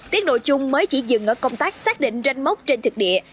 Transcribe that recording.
tiến độ chung mới chỉ dừng ở công tác xác định ranh mốc trên thực địa